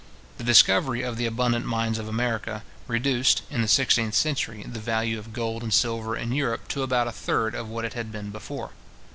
The discovery of the abundant mines of America, reduced, in the sixteenth century, the value of gold and silver in Europe to about a third of what it had been before.